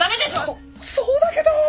そっそうだけど。